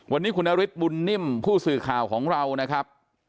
วันนี้คุณนฤทธิบุญนิ่มผู้สื่อข่าวของเรานะครับ